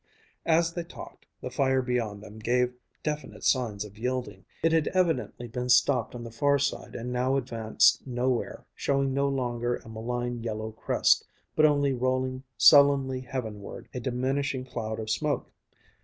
As they talked, the fire beyond them gave definite signs of yielding. It had evidently been stopped on the far side and now advanced nowhere, showed no longer a malign yellow crest, but only rolling sullenly heavenward a diminishing cloud of smoke.